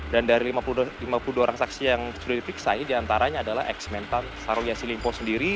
dan dari lima puluh dua saksi yang sudah dipikirkan antaranya adalah eksmentan syahrul yassin limpo